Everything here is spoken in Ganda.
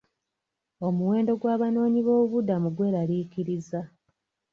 Omuwendo gw'abanoonyiboobubudamu gweraliikiriza.